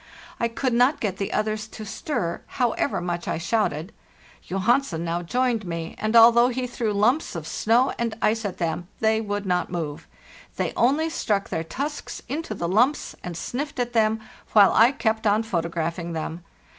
I could not get the others to stir, however much I shouted. Johansen now joined me, and, although he threw lumps of snow and _ ice at them, they would not move; they only struck their tusks into the lumps and sniffed at them, while I kept on photographing them.